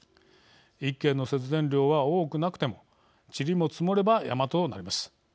１軒の節電量は多くなくてもちりも積もれば山となります。